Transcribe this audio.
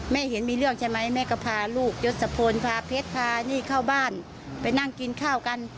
เห็นมีเรื่องใช่ไหมแม่ก็พาลูกยศพลพาเพชรพานี่เข้าบ้านไปนั่งกินข้าวกัน